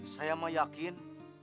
saya mah yakin